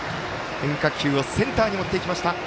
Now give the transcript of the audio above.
変化球をセンターに持っていきました。